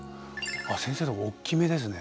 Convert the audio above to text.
あっ先生んとこおっきめですね。